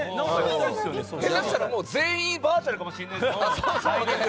下手したら全員バーチャルかもしれないです。